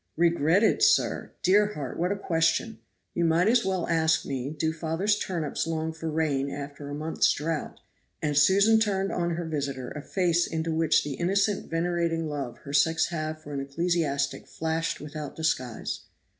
"Regretted, sir! dear heart, what a question. You might as well ask me do father's turnips long for rain after a month's drought;" and Susan turned on her visitor a face into which the innocent venerating love her sex have for an ecclesiastic flashed without disguise.